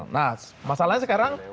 nah masalahnya sekarang